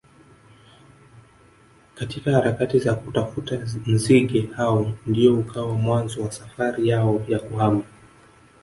katika harakati za kutafuta nzige hao ndio ukawa mwanzo wa safari yao ya kuhama